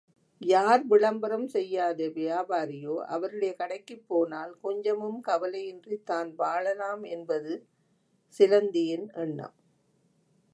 யார் விளம்பரம் செய்யாத வியாபாரியோ அவருடைய கடைக்குப் போனால் கொஞ்சமும் கவலையின்றி தான் வாழலாம் என்பது சிலந்தியின் எண்ணம்.